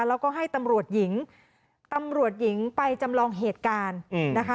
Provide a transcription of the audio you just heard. แล้วก็ให้ตำรวจหญิงตำรวจหญิงไปจำลองเหตุการณ์นะคะ